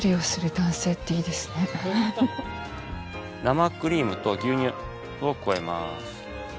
生クリームと牛乳を加えます。